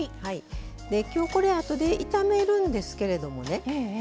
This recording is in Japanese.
きょう、これ、あとで炒めるんですけれどもね